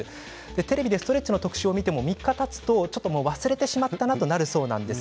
テレビでストレッチの特集を見ても３日たつと、ちょっと忘れてしまったなとなるそうなんです。